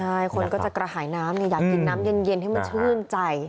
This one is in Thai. ใช่คนก็จะกระหายน้ำอยากกินน้ำเย็นให้มันชื่นใจ